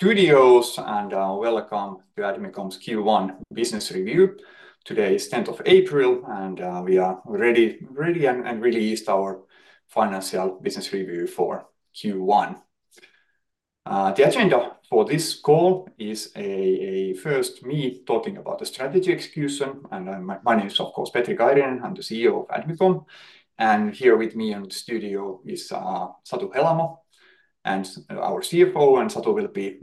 studios, and Welcome to Admicom's Q1 Business Review. Today is 10th of April, and we are ready and released our financial business review for Q1. The agenda for this call is first me talking about the strategy execution. My name is, of course, Petri Kairinen, I'm the CEO of Admicom. Here with me in the studio is Satu Helamo, our CFO, and Satu will be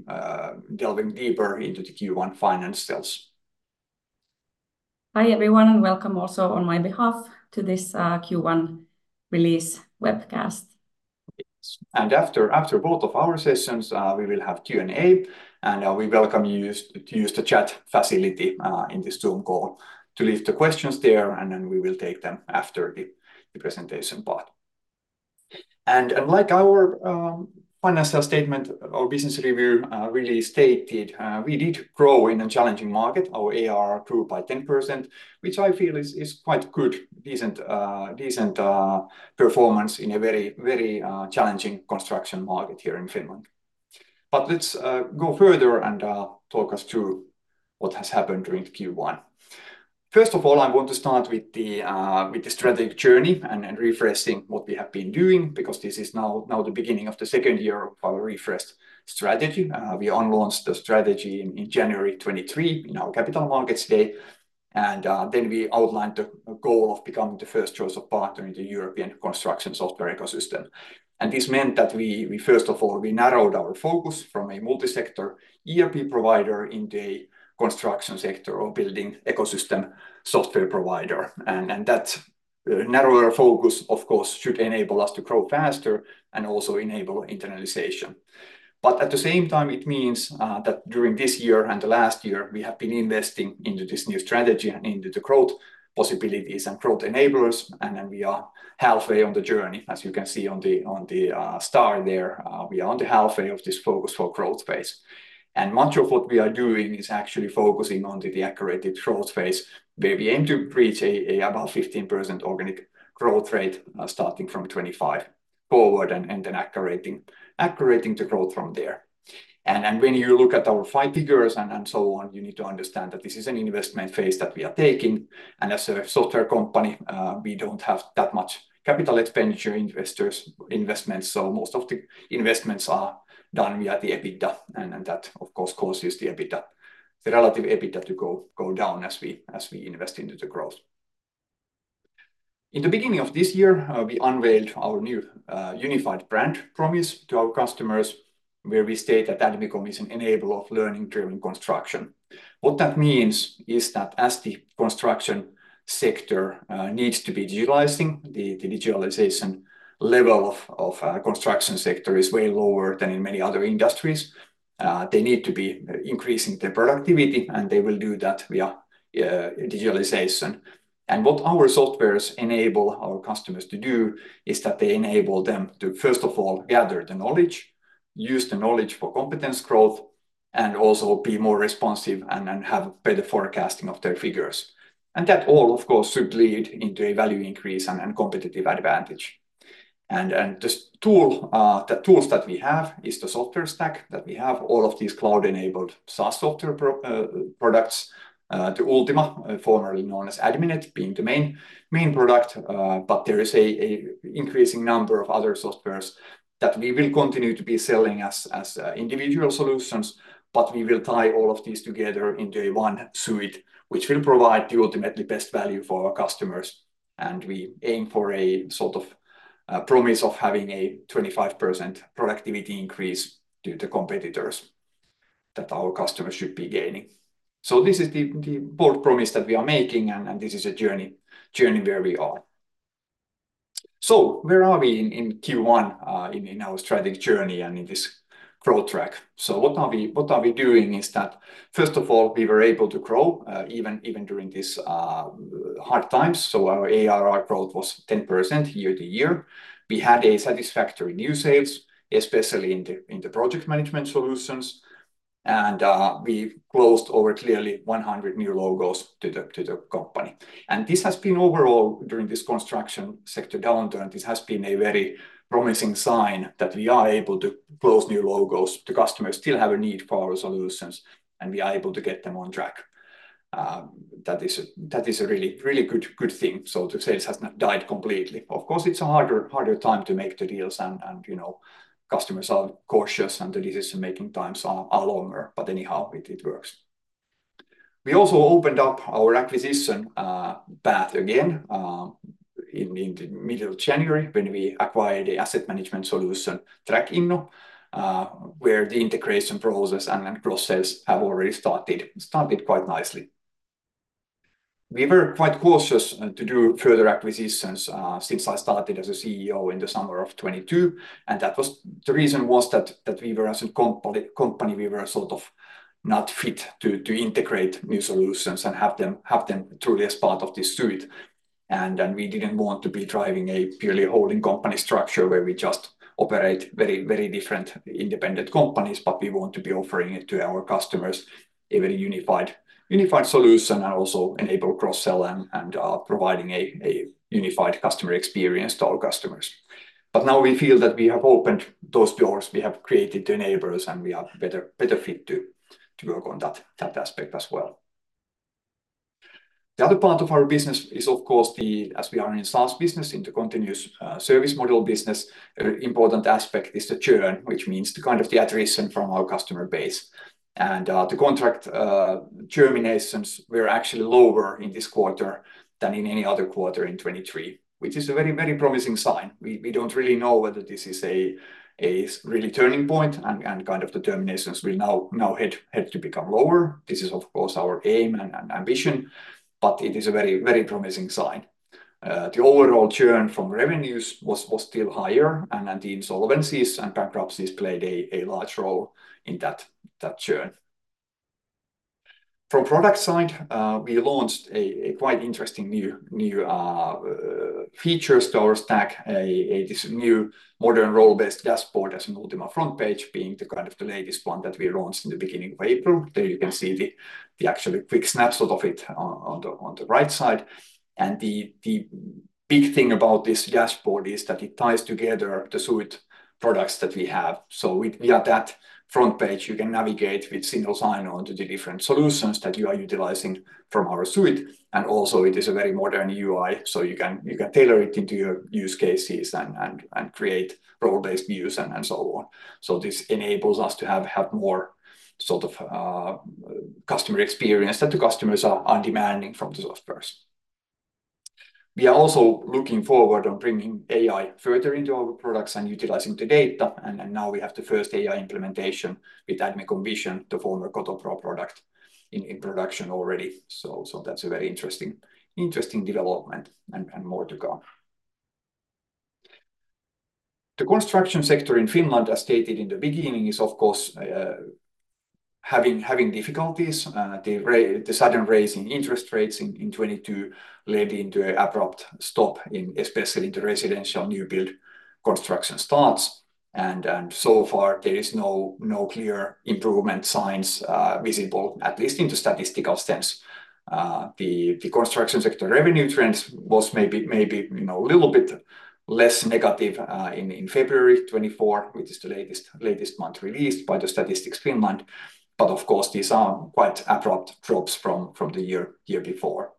delving deeper into the Q1 finance sales. Hi everyone, and welcome also on my behalf to this Q1 release webcast. After both of our sessions, we will have Q&A, and we welcome you to use the chat facility in this Zoom call to leave the questions there, and then we will take them after the presentation part. Like our financial statement, our business review really stated, we did grow in a challenging market, our ARR grew by 10%, which I feel is quite good, decent performance in a very challenging construction market here in Finland. Let's go further and talk us through what has happened during Q1. First of all, I want to start with the strategic journey and refreshing what we have been doing, because this is now the beginning of the second year of our refreshed strategy. We unveiled the strategy in January 2023 in our Capital Markets Day, and then we outlined the goal of becoming the first choice of partner in the European construction software ecosystem. This meant that we, first of all, narrowed our focus from a multi-sector ERP provider into a construction sector or building ecosystem software provider. That narrower focus, of course, should enable us to grow faster and also enable internationalization. But at the same time, it means that during this year and the last year, we have been investing into this new strategy and into the growth possibilities and growth enablers, and then we are halfway on the journey. As you can see on the chart there, we are on the halfway of this focus for growth phase. Much of what we are doing is actually focusing on the accelerated growth phase, where we aim to reach about 15% organic growth rate starting from 2025 forward and then accelerating the growth from there. When you look at our financial figures and so on, you need to understand that this is an investment phase that we are taking. As a software company, we don't have that much capital expenditure investment, so most of the investments are done via the EBITDA, and that, of course, causes the relative EBITDA to go down as we invest into the growth. In the beginning of this year, we unveiled our new unified brand promise to our customers, where we state that Admicom is an enabler of learning-driven construction. What that means is that as the construction sector needs to be digitalizing, the digitalization level of the construction sector is way lower than in many other industries. They need to be increasing their productivity, and they will do that via digitalization. What our softwares enable our customers to do is that they enable them to, first of all, gather the knowledge, use the knowledge for competence growth, and also be more responsive and have better forecasting of their figures. That all, of course, should lead into a value increase and competitive advantage. The tools that we have are the software stack that we have, all of these cloud-enabled SaaS software products, the Ultima, formerly known as Adminet, being the main product. But there is an increasing number of other software that we will continue to be selling as individual solutions, but we will tie all of these together into a one suite, which will provide the ultimately best value for our customers. We aim for a sort of promise of having a 25% productivity increase due to competitors that our customers should be gaining. So this is the bold promise that we are making, and this is a journey where we are. So where are we in Q1 in our strategic journey and in this growth track? So what we are doing is that, first of all, we were able to grow even during these hard times. So our ARR growth was 10% year-over-year. We had satisfactory new sales, especially in the project management solutions, and we closed over, clearly, 100 new logos to the company. This has been overall during this construction sector downturn. This has been a very promising sign that we are able to close new logos, the customers still have a need for our solutions, and we are able to get them on track. That is a really good thing, so the sales have not died completely. Of course, it's a harder time to make the deals, and customers are cautious, and the decision-making times are longer. But anyhow, it works. We also opened up our acquisition path again in the middle of January when we acquired the asset management solution Trackinno, where the integration process and cross-sales have already started quite nicely. We were quite cautious to do further acquisitions since I started as a CEO in the summer of 2022. That was the reason that we were as a company, we were sort of not fit to integrate new solutions and have them truly as part of this suite. We didn't want to be driving a purely holding company structure where we just operate very different independent companies, but we want to be offering it to our customers, a very unified solution, and also enable cross-sale and providing a unified customer experience to our customers. But now we feel that we have opened those doors, we have created the enablers, and we are better fit to work on that aspect as well. The other part of our business is, of course, as we are in SaaS business, in the continuous service model business, a very important aspect is the churn, which means the kind of the attrition from our customer base. The contract terminations were actually lower in this quarter than in any other quarter in 2023, which is a very promising sign. We don't really know whether this is a really turning point and kind of the terminations will now head to become lower. This is, of course, our aim and ambition, but it is a very promising sign. The overall churn from revenues was still higher, and the insolvencies and bankruptcies played a large role in that churn. From the product side, we launched quite interesting new features to our stack, a new modern role-based dashboard as an Ultima front page, being the kind of the latest one that we launched in the beginning of April. There you can see the actual quick snapshot of it on the right side. The big thing about this dashboard is that it ties together the suite products that we have. So we are at the front page you can navigate with single sign-on to the different solutions that you are utilizing from our suite. Also, it is a very modern UI, so you can tailor it into your use cases and create role-based views and so on. So this enables us to have more sort of customer experience that the customers are demanding from the softwares. We are also looking forward to bringing AI further into our products and utilizing the data. Now we have the first AI implementation with Admicom Vision, the former Kotopro product, in production already. So that's a very interesting development and more to come. The construction sector in Finland, as stated in the beginning, is, of course, having difficulties. The sudden rise in interest rates in 2022 led into an abrupt stop, especially in the residential new build construction starts. So far, there are no clear improvement signs visible, at least in the statistical sense. The construction sector revenue trend was maybe a little bit less negative in February 2024, which is the latest month released by Statistics Finland. But, of course, these are quite abrupt drops from the year before.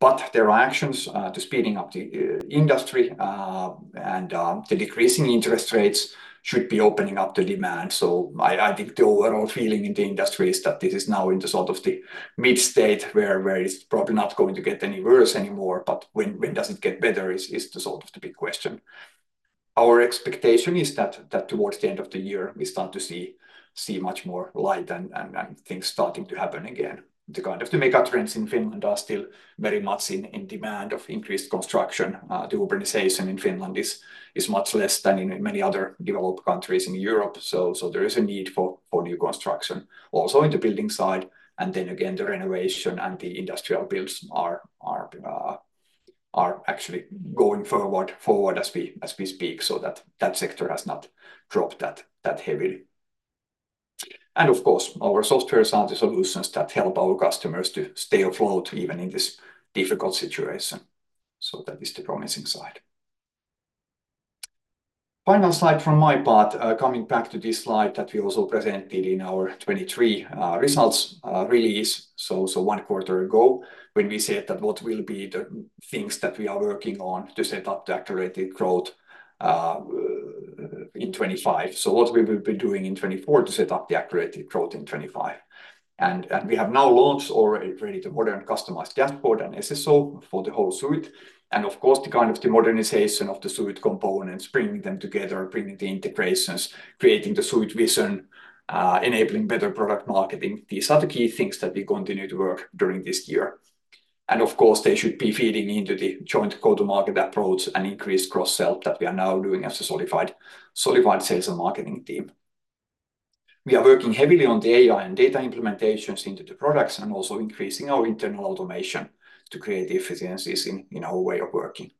But there are actions to speeding up the industry, and the decreasing interest rates should be opening up the demand. So I think the overall feeling in the industry is that this is now in the sort of the mid-state, where it's probably not going to get any worse anymore. But when does it get better is the sort of the big question. Our expectation is that towards the end of the year, we start to see much more light and things starting to happen again. The kind of mega trends in Finland are still very much in demand of increased construction. The urbanization in Finland is much less than in many other developed countries in Europe. So there is a need for new construction, also in the building side. Then again, the renovation and the industrial builds are actually going forward as we speak, so that sector has not dropped that heavily. And, of course, our software-side solutions that help our customers to stay afloat even in this difficult situation. So that is the promising side. Final slide from my part, coming back to this slide that we also presented in our 2023 results release, so one quarter ago, when we said that what will be the things that we are working on to set up the accelerated growth in 2025, so what we will be doing in 2024 to set up the accelerated growth in 2025. We have now launched already the modern customized dashboard and SSO for the whole suite. And, of course, the kind of modernization of the suite components, bringing them together, bringing the integrations, creating the suite vision, enabling better product marketing, these are the key things that we continue to work on during this year. And, of course, they should be feeding into the joint Kotopro market approach and increased cross-sell that we are now doing as a solidified sales and marketing team. We are working heavily on the AI and data implementations into the products and also increasing our internal automation to create efficiencies in our way of working.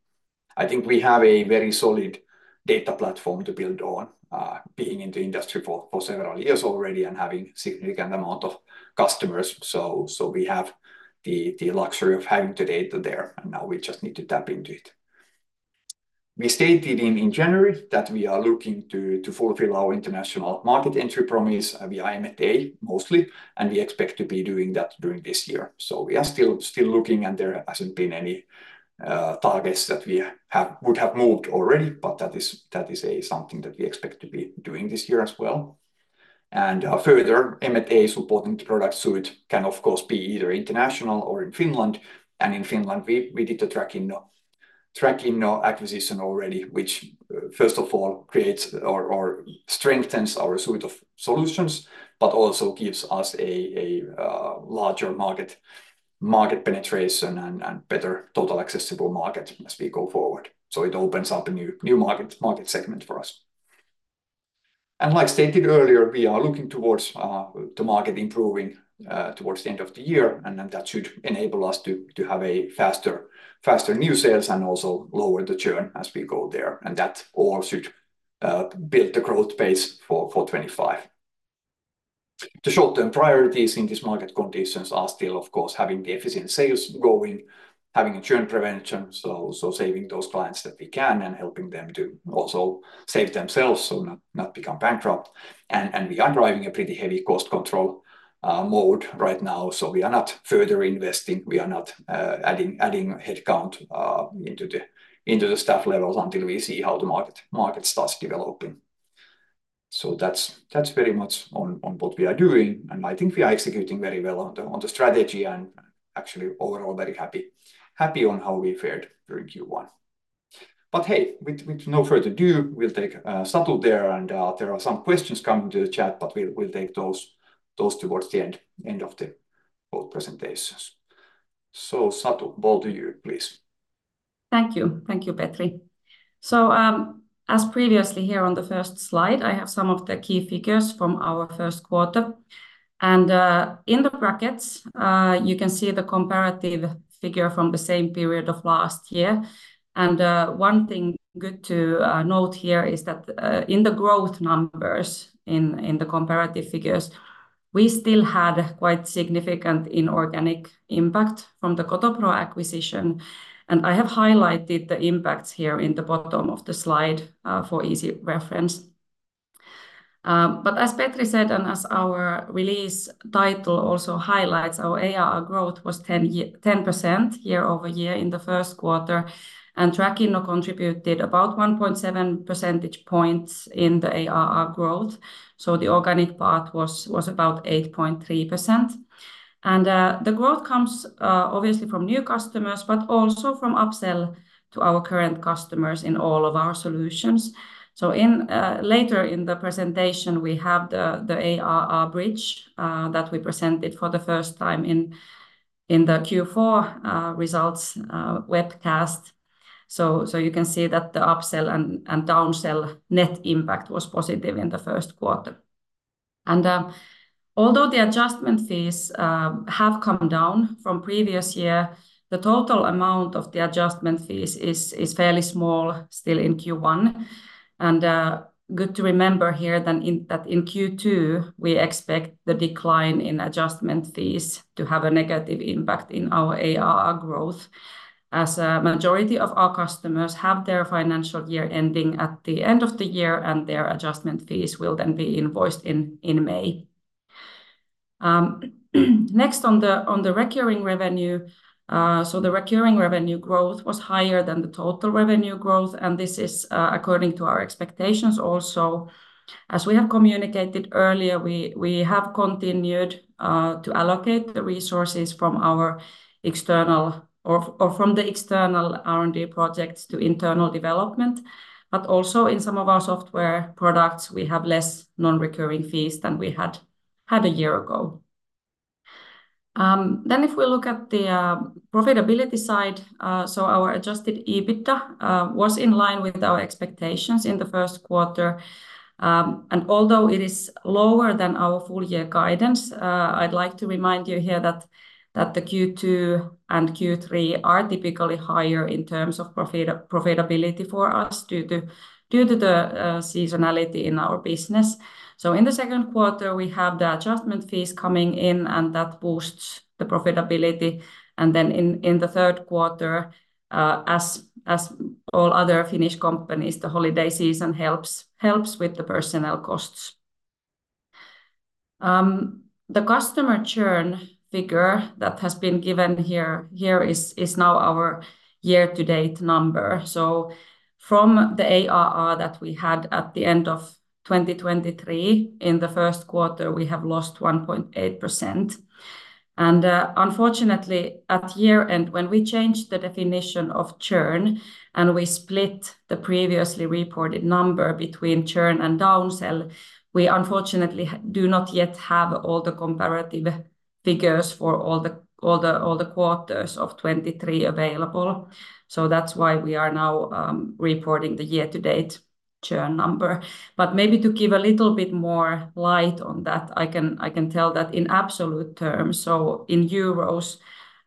I think we have a very solid data platform to build on, being in the industry for several years already and having a significant amount of customers. So we have the luxury of having the data there, and now we just need to tap into it. We stated in January that we are looking to fulfill our international market entry promise. We are M&A mostly, and we expect to be doing that during this year. So we are still looking, and there hasn't been any targets that we would have moved already, but that is something that we expect to be doing this year as well. And further, M&A supporting the product suite can, of course, be either international or in Finland. In Finland, we did the Trackinno acquisition already, which, first of all, creates or strengthens our suite of solutions, but also gives us a larger market penetration and better total addressable market as we go forward. It opens up a new market segment for us. Like stated earlier, we are looking towards the market improving towards the end of the year, and that should enable us to have faster new sales and also lower the churn as we go there. That all should build the growth base for 2025. The short-term priorities in these market conditions are still, of course, having the efficient sales going, having a churn prevention, so saving those clients that we can and helping them to also save themselves, so not become bankrupt. We are driving a pretty heavy cost control mode right now, so we are not further investing. We are not adding headcount into the staff levels until we see how the market starts developing. So that's very much on what we are doing, and I think we are executing very well on the strategy and actually overall very happy on how we fared during Q1. But hey, with no further ado, we'll take Satu there. And there are some questions coming to the chat, but we'll take those towards the end of the whole presentation. So Satu, the ball to you, please. Thank you. Thank you, Petri. So as previously here on the first slide, I have some of the key figures from our first quarter. And in the brackets, you can see the comparative figure from the same period of last year. One thing good to note here is that in the growth numbers in the comparative figures, we still had quite significant inorganic impact from the Kotopro acquisition. I have highlighted the impacts here in the bottom of the slide for easy reference. As Petri said, and as our release title also highlights, our ARR growth was 10% year-over-year in the first quarter, and Trackinno contributed about 1.7 percentage points in the ARR growth. The organic part was about 8.3%. The growth comes obviously from new customers, but also from upsell to our current customers in all of our solutions. Later in the presentation, we have the ARR bridge that we presented for the first time in the Q4 results webcast. You can see that the upsell and downsell net impact was positive in the first quarter. Although the adjustment fees have come down from previous year, the total amount of the adjustment fees is fairly small still in Q1. Good to remember here that in Q2, we expect the decline in adjustment fees to have a negative impact in our ARR growth, as a majority of our customers have their financial year ending at the end of the year, and their adjustment fees will then be invoiced in May. Next, on the recurring revenue, so the recurring revenue growth was higher than the total revenue growth, and this is according to our expectations also. As we have communicated earlier, we have continued to allocate the resources from our external or from the external R&D projects to internal development. But also in some of our software products, we have less non-recurring fees than we had a year ago. Then if we look at the profitability side, so our adjusted EBITDA was in line with our expectations in the first quarter. Although it is lower than our full-year guidance, I'd like to remind you here that the Q2 and Q3 are typically higher in terms of profitability for us due to the seasonality in our business. In the second quarter, we have the adjustment fees coming in, and that boosts the profitability. Then in the third quarter, as all other Finnish companies, the holiday season helps with the personnel costs. The customer churn figure that has been given here is now our year-to-date number. From the ARR that we had at the end of 2023, in the first quarter, we have lost 1.8%. Unfortunately, at year-end, when we change the definition of churn and we split the previously reported number between churn and downsell, we unfortunately do not yet have all the comparative figures for all the quarters of 2023 available. So that's why we are now reporting the year-to-date churn number. But maybe to give a little bit more light on that, I can tell that in absolute terms. So in euros,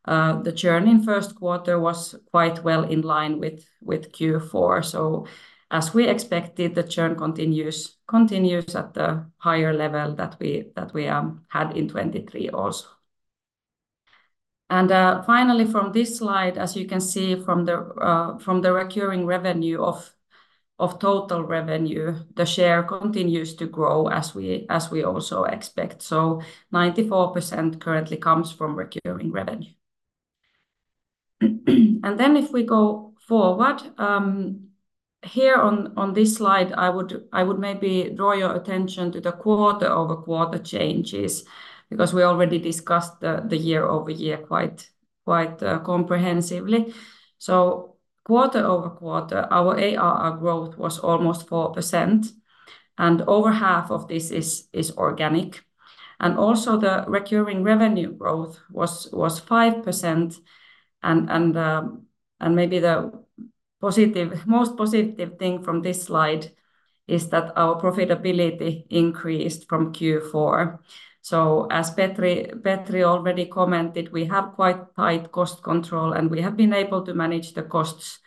the churn in the first quarter was quite well in line with Q4. So as we expected, the churn continues at the higher level that we had in 2023 also. Finally, from this slide, as you can see from the recurring revenue of total revenue, the share continues to grow as we also expect. So 94% currently comes from recurring revenue. Then if we go forward, here on this slide, I would maybe draw your attention to the quarter-over-quarter changes because we already discussed the year-over-year quite comprehensively. Quarter-over-quarter, our ARR growth was almost 4%, and over half of this is organic. Also, the recurring revenue growth was 5%. Maybe the most positive thing from this slide is that our profitability increased from Q4. As Petri already commented, we have quite tight cost control, and we have been able to manage the costs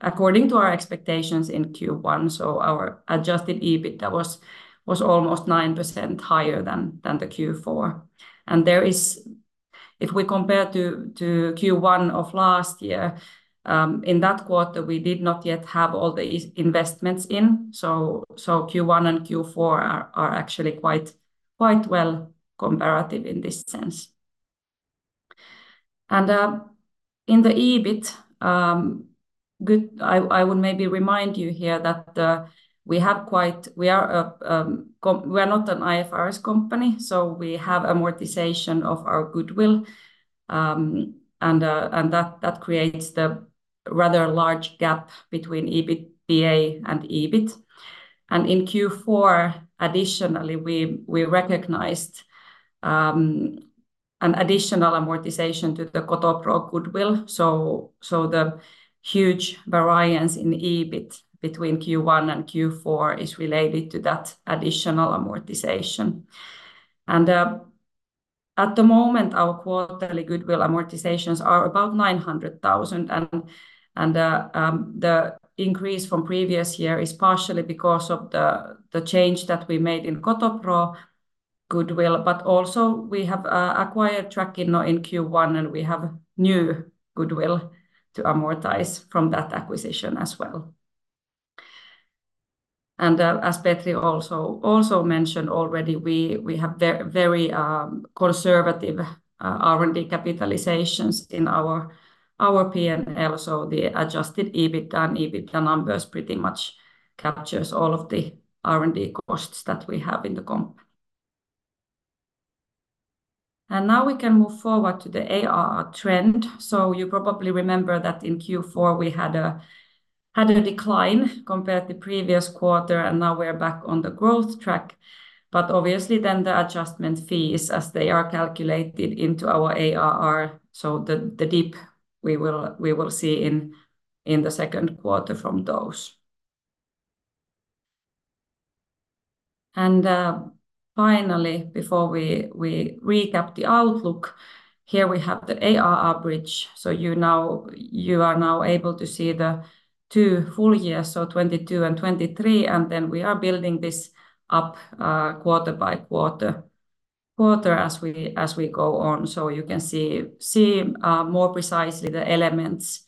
according to our expectations in Q1. Our adjusted EBITDA was almost 9% higher than the Q4. If we compare to Q1 of last year, in that quarter, we did not yet have all the investments in. Q1 and Q4 are actually quite well comparative in this sense. In the EBIT, I would maybe remind you here that we are not an IFRS company, so we have amortization of our goodwill, and that creates the rather large gap between EBITDA and EBIT. In Q4, additionally, we recognized an additional amortization to the Kotopro goodwill. So the huge variance in EBIT between Q1 and Q4 is related to that additional amortization. At the moment, our quarterly goodwill amortizations are about 900,000. The increase from previous year is partially because of the change that we made in Kotopro goodwill. But also, we have acquired Trackinno in Q1, and we have new goodwill to amortize from that acquisition as well. As Petri also mentioned already, we have very conservative R&D capitalizations in our P&L. So the adjusted EBITDA and EBITDA numbers pretty much capture all of the R&D costs that we have in the company. Now we can move forward to the ARR trend. So you probably remember that in Q4, we had a decline compared to the previous quarter, and now we're back on the growth track. But obviously, then the adjustment fees, as they are calculated into our ARR, so the dip we will see in the second quarter from those. Finally, before we recap the outlook, here we have the ARR bridge. So you are now able to see the two full years, so 2022 and 2023. Then we are building this up quarter by quarter as we go on. So you can see more precisely the elements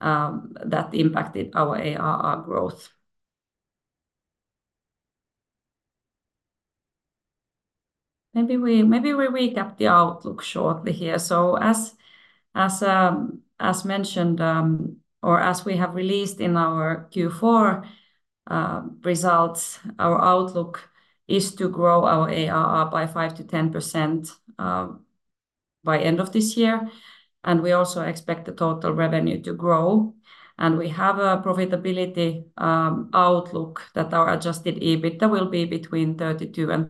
that impacted our ARR growth. Maybe we recap the outlook shortly here. As mentioned or as we have released in our Q4 results, our outlook is to grow our ARR by 5%-10% by the end of this year. We also expect the total revenue to grow. We have a profitability outlook that our adjusted EBITDA will be between 32% and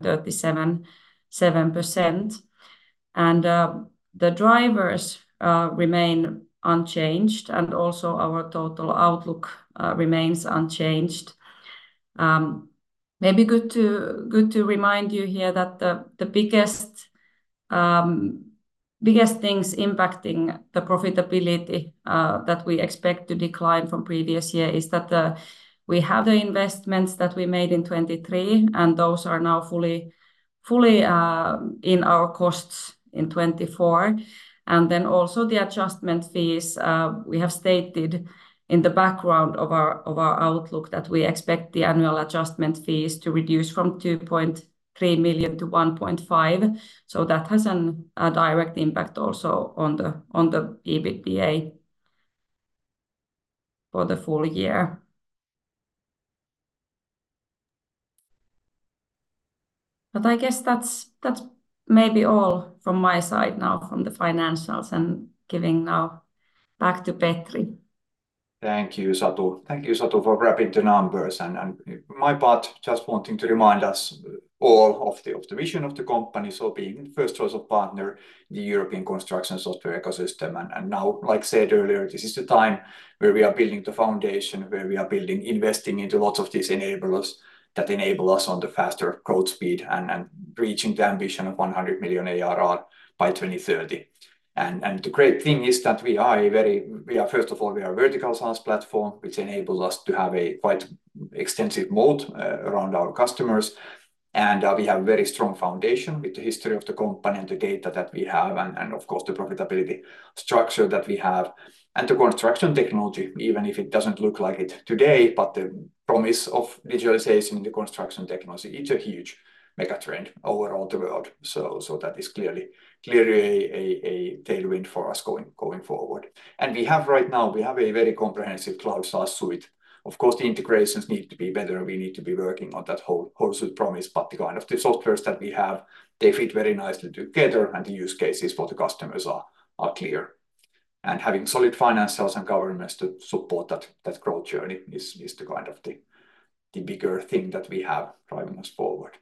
37%. The drivers remain unchanged, and also our total outlook remains unchanged. Maybe good to remind you here that the biggest things impacting the profitability that we expect to decline from previous year is that we have the investments that we made in 2023, and those are now fully in our costs in 2024. Then also, the adjustment fees, we have stated in the background of our outlook that we expect the annual adjustment fees to reduce from 2.3 million to 1.5 million. So that has a direct impact also on the EBITDA for the full year. But I guess that's maybe all from my side now from the financials and giving now back to Petri. Thank you, Satu. Thank you, Satu, for wrapping the numbers. And my part, just wanting to remind us all of the vision of the company, so being the first choice of partner, the European construction software ecosystem. And now, like said earlier, this is the time where we are building the foundation, where we are investing into lots of these enablers that enable us on the faster growth speed and reaching the ambition of 100 million ARR by 2030. And the great thing is that we are a very first of all, we are a vertical SaaS platform, which enables us to have a quite extensive moat around our customers. We have a very strong foundation with the history of the company and the data that we have and, of course, the profitability structure that we have and the construction technology, even if it doesn't look like it today. The promise of digitalization in the construction technology is a huge megatrend over all the world. That is clearly a tailwind for us going forward. Right now, we have a very comprehensive cloud SaaS suite. Of course, the integrations need to be better. We need to be working on that whole suite promise. The kind of softwares that we have, they fit very nicely together, and the use cases for the customers are clear. Having solid financials and governments to support that growth journey is the kind of the bigger thing that we have driving us forward.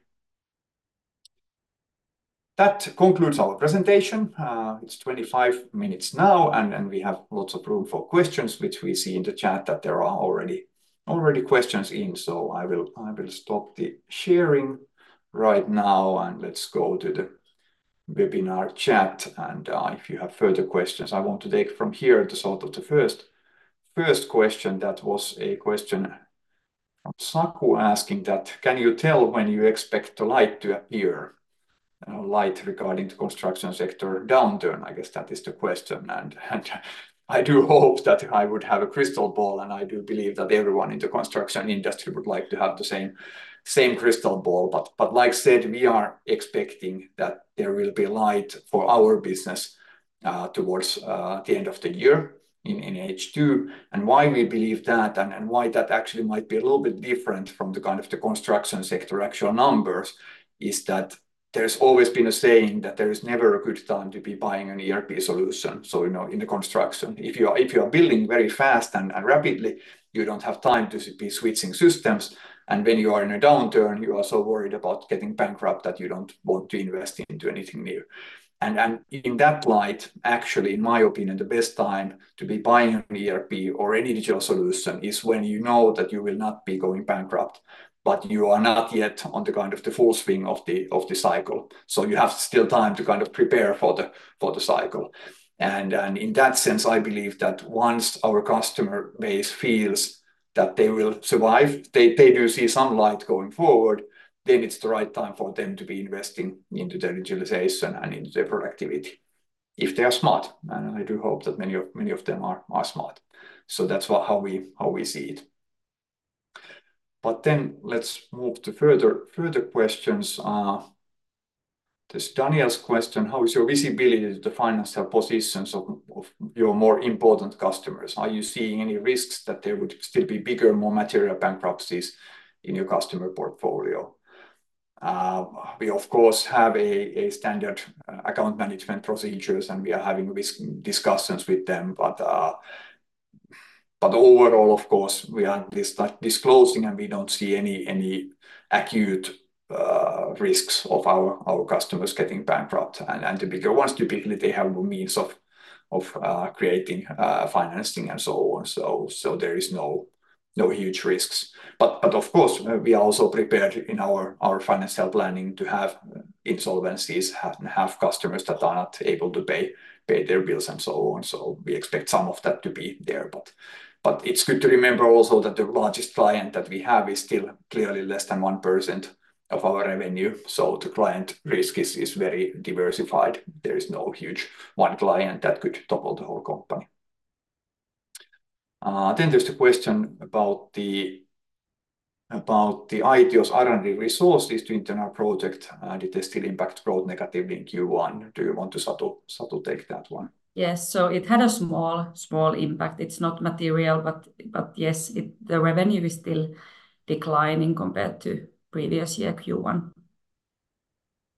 That concludes our presentation. It's 25 minutes now, and we have lots of room for questions, which we see in the chat that there are already questions in. So I will stop the sharing right now, and let's go to the webinar chat. If you have further questions, I want to take from here the sort of the first question. That was a question from Saku asking that, "Can you tell when you expect the light to appear?" Light regarding the construction sector downturn, I guess that is the question. I do hope that I would have a crystal ball, and I do believe that everyone in the construction industry would like to have the same crystal ball. But like said, we are expecting that there will be light for our business towards the end of the year in H2. And why we believe that and why that actually might be a little bit different from the kind of the construction sector actual numbers is that there's always been a saying that there is never a good time to be buying an ERP solution in the construction. If you are building very fast and rapidly, you don't have time to be switching systems. And when you are in a downturn, you are so worried about getting bankrupt that you don't want to invest into anything new. And in that light, actually, in my opinion, the best time to be buying an ERP or any digital solution is when you know that you will not be going bankrupt, but you are not yet on the kind of the full swing of the cycle. So you have still time to kind of prepare for the cycle. In that sense, I believe that once our customer base feels that they will survive, they do see some light going forward, then it's the right time for them to be investing into their digitalization and into their productivity if they are smart. I do hope that many of them are smart. That's how we see it. Let's move to further questions. There's Daniel's question, "How is your visibility to the financial positions of your more important customers? Are you seeing any risks that there would still be bigger, more material bankruptcies in your customer portfolio?" We, of course, have standard account management procedures, and we are having risk discussions with them. Overall, of course, we are disclosing, and we don't see any acute risks of our customers getting bankrupt. The bigger ones, typically, they have more means of creating financing and so on. There are no huge risks. Of course, we are also prepared in our financial planning to have insolvencies and have customers that are not able to pay their bills and so on. We expect some of that to be there. It's good to remember also that the largest client that we have is still clearly less than 1% of our revenue. The client risk is very diversified. There is no huge one client that could topple the whole company. There's the question about the Aitio R&D resources to internal project. Did they still impact growth negatively in Q1? Do you want to, Satu, take that one? Yes. It had a small impact. It's not material, but yes, the revenue is still declining compared to previous year, Q1.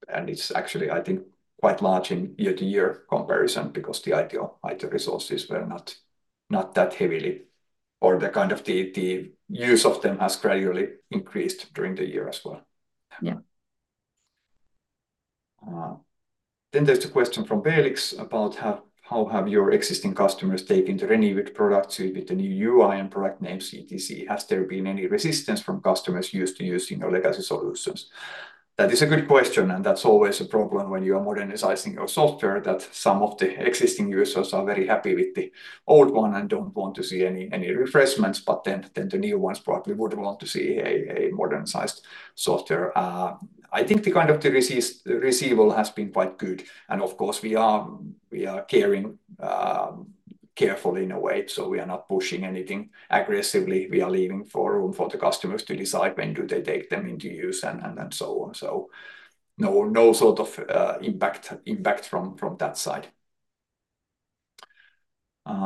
And it's actually, I think, quite large in year-to-year comparison because the IT resources were not that heavily, or the kind of the use of them has gradually increased during the year as well. Yeah. Then there's the question from Felix about how have your existing customers taken to any product suite with the new UI and product name Ultima? Has there been any resistance from customers used to using your legacy solutions? That is a good question, and that's always a problem when you are modernizing your software, that some of the existing users are very happy with the old one and don't want to see any refreshments. But then the new ones probably would want to see a modernized software. I think the kind of the reception has been quite good. And of course, we are caring carefully in a way, so we are not pushing anything aggressively. We are leaving room for the customers to decide when do they take them into use and so on. So no sort of impact from that side.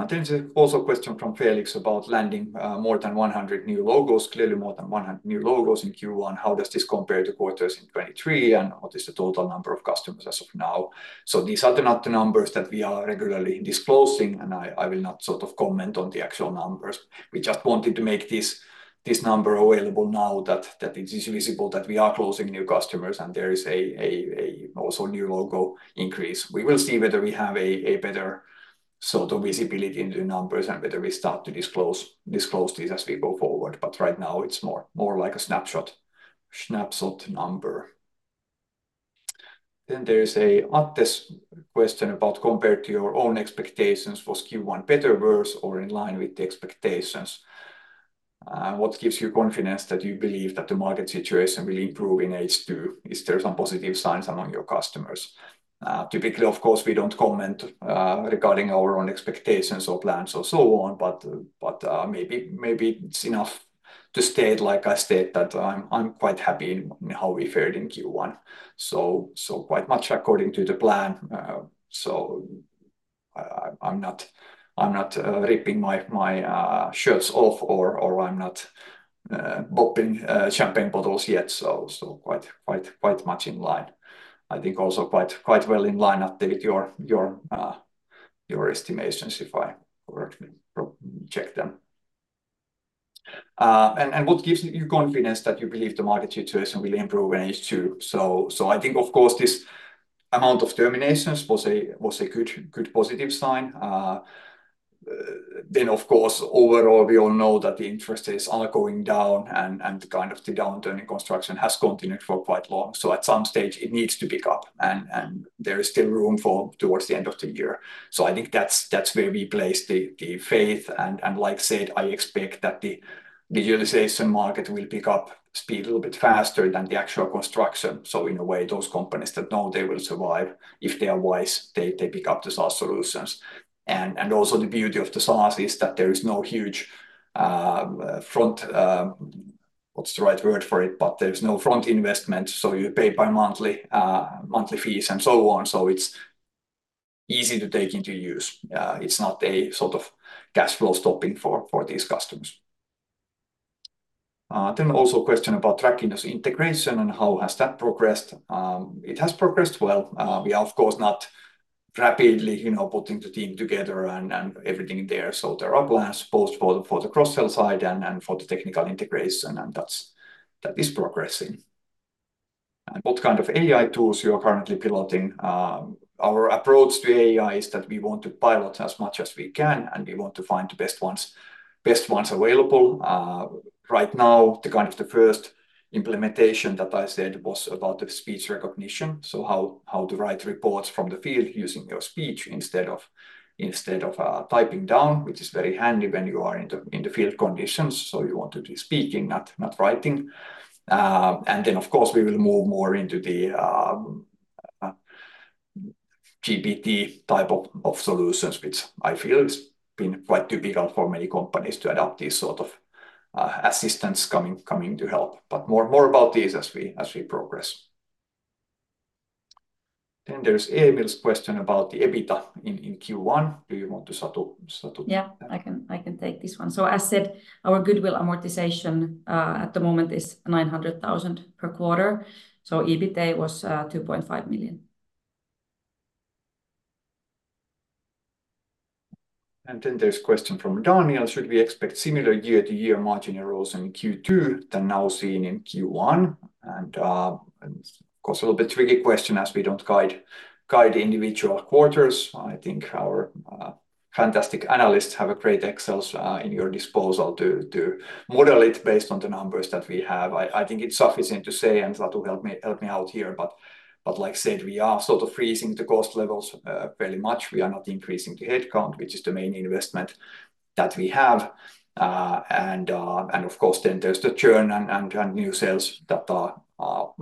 Then there's also a question from Felix about landing more than 100 new logos, clearly more than 100 new logos in Q1. How does this compare to quarters in 2023, and what is the total number of customers as of now? So these are not the numbers that we are regularly disclosing, and I will not sort of comment on the actual numbers. We just wanted to make this number available now that it is visible that we are closing new customers and there is also a new logo increase. We will see whether we have a better sort of visibility into the numbers and whether we start to disclose these as we go forward. But right now, it's more like a snapshot number. Then there's an Atte's question about compared to your own expectations, was Q1 better, worse, or in line with the expectations? What gives you confidence that you believe that the market situation will improve in H2? Is there some positive signs among your customers? Typically, of course, we don't comment regarding our own expectations or plans or so on, but maybe it's enough to state like I state that I'm quite happy in how we fared in Q1. So quite much according to the plan. So I'm not ripping my shirts off or I'm not bopping champagne bottles yet. So quite much in line. I think also quite well in line with your estimations if I correctly check them. And what gives you confidence that you believe the market situation will improve in H2? So I think, of course, this amount of terminations was a good positive sign. Then, of course, overall, we all know that the interest rates are going down and kind of the downturn in construction has continued for quite long. So at some stage, it needs to pick up, and there is still room for towards the end of the year. So I think that's where we place the faith. And like said, I expect that the digitalization market will pick up speed a little bit faster than the actual construction. So in a way, those companies that know they will survive, if they are wise, they pick up the SaaS solutions. And also the beauty of the SaaS is that there is no huge front--what's the right word for it?--but there's no front investment. So you pay monthly fees and so on. So it's easy to take into use. It's not a sort of cash flow stopping for these customers. Then also a question about tracking this integration and how has that progressed? It has progressed well. We are, of course, not rapidly putting the team together and everything there. So there are plans supposed for the cross-sell side and for the technical integration, and that is progressing. And what kind of AI tools you are currently piloting? Our approach to AI is that we want to pilot as much as we can, and we want to find the best ones available. Right now, the kind of the first implementation that I said was about the speech recognition. So how to write reports from the field using your speech instead of typing down, which is very handy when you are in the field conditions. So you want to be speaking, not writing. And then, of course, we will move more into the GPT type of solutions, which I feel it's been quite typical for many companies to adopt these sort of assistants coming to help. But more about these as we progress. Then there's Emil's question about the EBITDA in Q1. Do you want to, Satu? Yeah, I can take this one. So as said, our goodwill amortization at the moment is 900,000 per quarter. So EBITDA was 2.5 million. And then there's a question from Daniel, "Should we expect similar year-to-year margin errors in Q2 than now seen in Q1?" And of course, a little bit tricky question as we don't guide individual quarters. I think our fantastic analysts have great Excels in your disposal to model it based on the numbers that we have. I think it's sufficient to say, and Satu, help me out here. But like said, we are sort of freezing the cost levels fairly much. We are not increasing the headcount, which is the main investment that we have. And of course, then there's the churn and new sales that are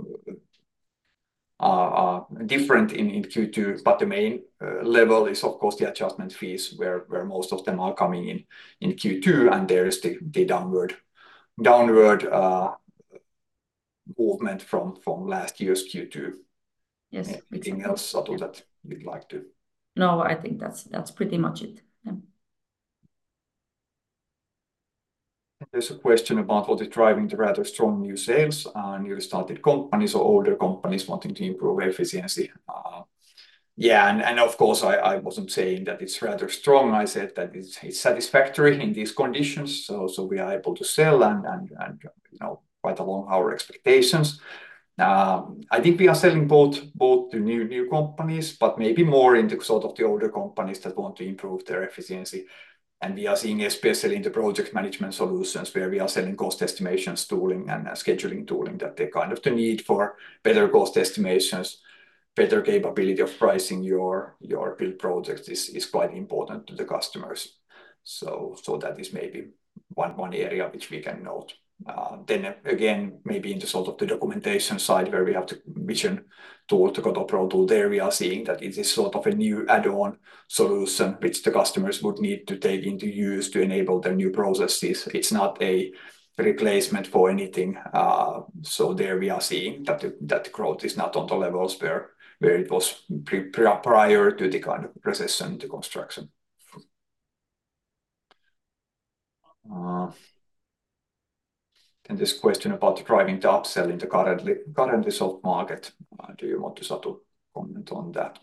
different in Q2. But the main level is, of course, the adjustment fees where most of them are coming in Q2. And there is the downward movement from last year's Q2. Anything else, Satu, that you'd like to? No, I think that's pretty much it. There's a question about what is driving the rather strong new sales, newly started companies or older companies wanting to improve efficiency. Yeah. And of course, I wasn't saying that it's rather strong. I said that it's satisfactory in these conditions. So we are able to sell and quite along our expectations. I think we are selling both to new companies, but maybe more into sort of the older companies that want to improve their efficiency. And we are seeing especially in the project management solutions where we are selling cost estimations tooling and scheduling tooling that they kind of need for better cost estimations. Better capability of pricing your build projects is quite important to the customers. So that is maybe one area which we can note. Then again, maybe into sort of the documentation side where we have the Vision tool, the Kotopro tool. There we are seeing that it is sort of a new add-on solution which the customers would need to take into use to enable their new processes. It's not a replacement for anything. So there we are seeing that the growth is not on the levels where it was prior to the kind of recession in the construction. Then there's a question about driving the upsell in the currently soft market. Do you want to, Satu, comment on that?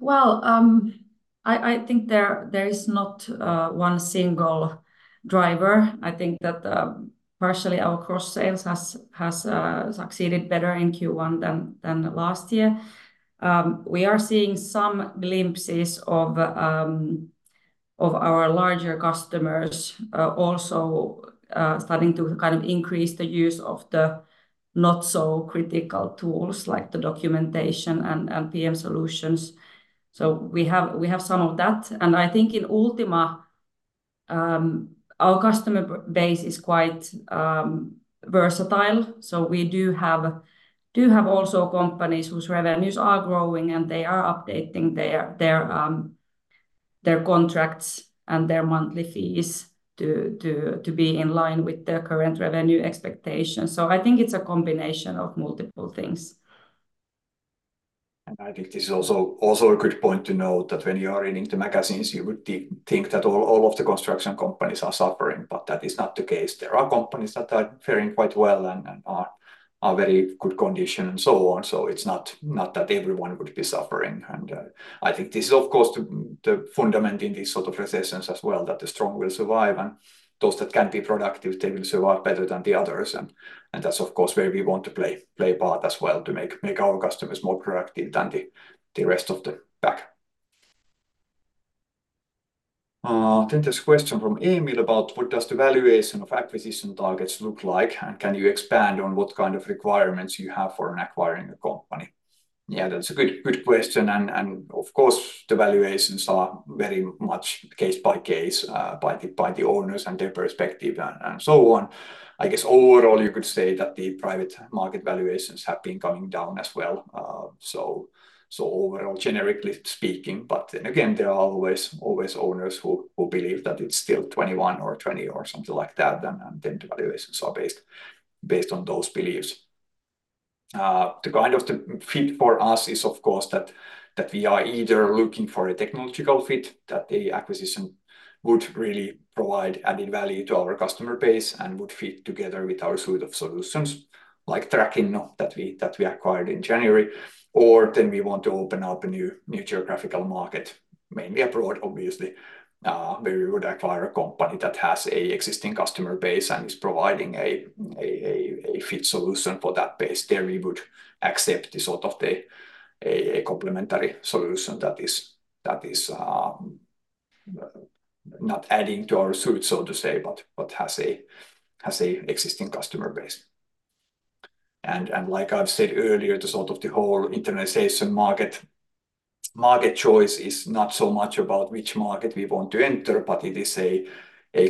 Well, I think there is not one single driver. I think that partially our cross-sales has succeeded better in Q1 than last year. We are seeing some glimpses of our larger customers also starting to kind of increase the use of the not-so-critical tools like the documentation and PM solutions. So we have some of that. And I think in Ultima, our customer base is quite versatile. So we do have also companies whose revenues are growing, and they are updating their contracts and their monthly fees to be in line with their current revenue expectations. I think it's a combination of multiple things. I think this is also a good point to note that when you are reading the magazines, you would think that all of the construction companies are suffering, but that is not the case. There are companies that are faring quite well and are in very good condition and so on. It's not that everyone would be suffering. I think this is, of course, the fundament in these sort of recessions as well, that the strong will survive. Those that can be productive, they will survive better than the others. That's, of course, where we want to play a part as well to make our customers more productive than the rest of the pack. Then there's a question from Emil about what does the valuation of acquisition targets look like, and can you expand on what kind of requirements you have for acquiring a company? Yeah, that's a good question. And of course, the valuations are very much case by case by the owners and their perspective and so on. I guess overall, you could say that the private market valuations have been coming down as well. So overall, generically speaking. But then again, there are always owners who believe that it's still 21 or 20 or something like that, and then the valuations are based on those beliefs. The kind of fit for us is, of course, that we are either looking for a technological fit, that the acquisition would really provide added value to our customer base and would fit together with our suite of solutions like Trackinno that we acquired in January, or then we want to open up a new geographical market, mainly abroad, obviously, where we would acquire a company that has an existing customer base and is providing a fitting solution for that base. There we would accept the sort of a complementary solution that is not adding to our suite, so to say, but has an existing customer base. Like I've said earlier, the sort of the whole internationalization market choice is not so much about which market we want to enter, but it is a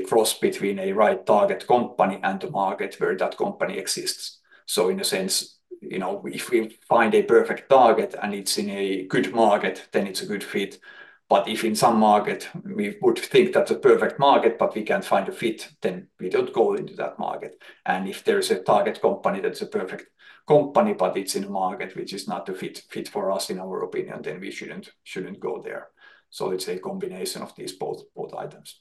cross between a right target company and the market where that company exists. So in a sense, if we find a perfect target and it's in a good market, then it's a good fit. But if in some market we would think that's a perfect market, but we can't find a fit, then we don't go into that market. And if there is a target company that's a perfect company, but it's in a market which is not a fit for us, in our opinion, then we shouldn't go there. So it's a combination of these both items.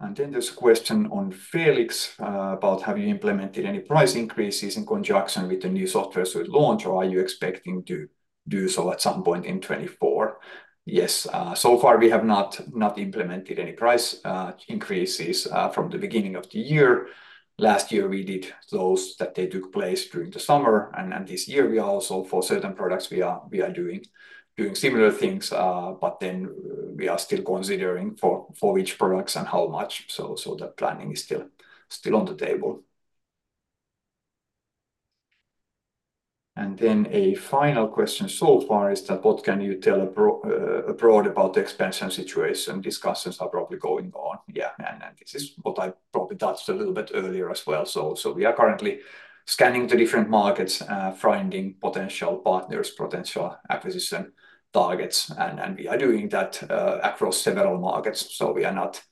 And then there's a question on Felix about have you implemented any price increases in conjunction with the new software suite launch, or are you expecting to do so at some point in 2024? Yes, so far we have not implemented any price increases from the beginning of the year. Last year we did those that took place during the summer. This year we are also, for certain products, doing similar things, but then we are still considering for which products and how much. So that planning is still on the table. And then a final question so far is that what can you tell abroad about the expansion situation? Discussions are probably going on. Yeah, and this is what I probably touched a little bit earlier as well. So we are currently scanning the different markets, finding potential partners, potential acquisition targets. And we are doing that across several markets. So we are not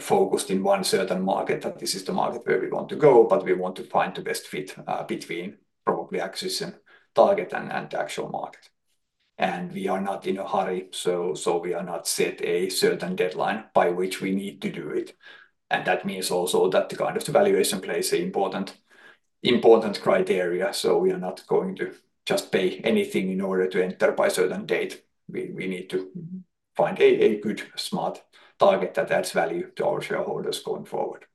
focused in one certain market that this is the market where we want to go, but we want to find the best fit between probably acquisition target and the actual market. And we are not in a hurry, so we are not set a certain deadline by which we need to do it. That means also that the kind of the valuation plays an important criteria. We are not going to just pay anything in order to enter by a certain date. We need to find a good, smart target that adds value to our shareholders going forward.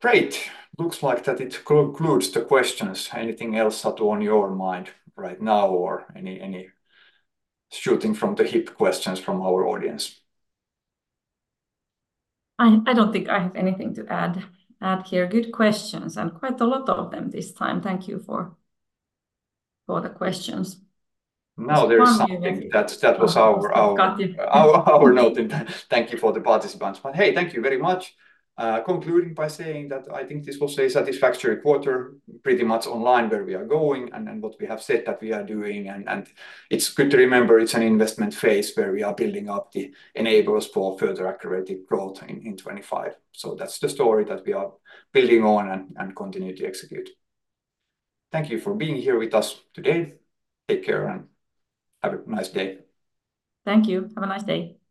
Great. Looks like that it concludes the questions. Anything else, Satu, on your mind right now or any shooting from the hip questions from our audience? I don't think I have anything to add here. Good questions, and quite a lot of them this time. Thank you for the questions. No, there's something. That was our note in time. Thank you for the participants. But hey, thank you very much. Concluding by saying that I think this was a satisfactory quarter, pretty much online where we are going and what we have said that we are doing. It's good to remember it's an investment phase where we are building up the enablers for further accurate growth in 2025. That's the story that we are building on and continue to execute. Thank you for being here with us today. Take care and have a nice day. Thank you. Have a nice day.